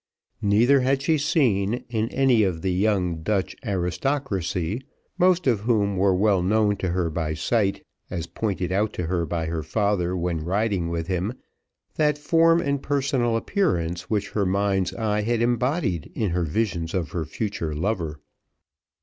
Neither had she seen, in any of the young Dutch aristocracy, most of whom were well known to her by sight, as pointed out to her by her father when riding with him, that form and personal appearance which her mind's eye had embodied in her visions of her future lover.